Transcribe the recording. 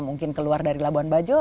mungkin keluar dari labuan bajo